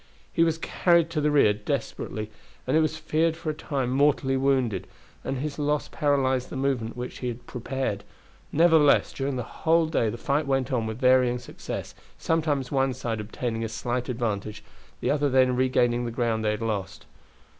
He was carried to the rear desperately, and it was feared for a time mortally wounded, and his loss paralyzed the movement which he had prepared. Nevertheless during the whole day the fight went on with varying success, sometimes one side obtaining a slight advantage, the other then regaining the ground they had lost.